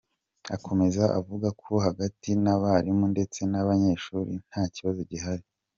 Akomeza avuga ko hagati ye n’abarimu ndetse n’abanyeshuri nta kibazo gihari.